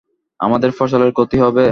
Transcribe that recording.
আমাদের ফসলের ক্ষতি হবে?